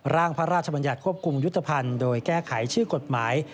ร่างพระราชบัญญัติควบคุมยุทธภัณฑ์โดยแก้ไขชื่อกฎหมาย